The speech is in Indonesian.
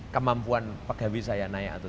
kemampuan pegawai saya naik atau